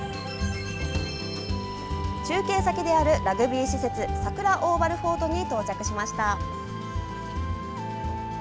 中継先であるラグビー施設さくらオーバルフォートに到着しました。